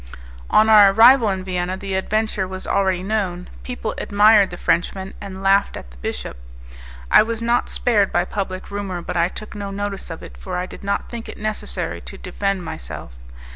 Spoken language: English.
On our arrival in Vienna, the adventure was already known; people admired the Frenchman and laughed at the bishop. I was not spared by public rumour, but I took no notice of it, for I did not think it necessary to defend myself.